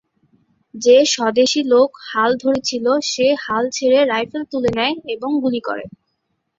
যে স্বদেশী লোক হাল ধরে ছিল সে হাল ছেড়ে রাইফেল তুলে নেয় এবং গুলি করে।